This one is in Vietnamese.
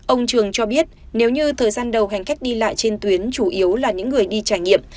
ông trường cho biết nếu như thời gian đầu hành khách đi lại trên tuyến chủ yếu là những người đi trải nghiệm